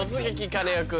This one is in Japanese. カネオくん」。